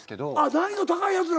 難易度高いやつなの？